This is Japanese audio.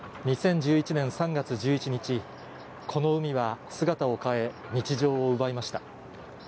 ２０１１年３月１１日、この海は姿を変え、日常を奪いました。